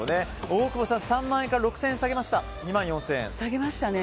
大久保さんは３万円から６０００円下げて下げましたね。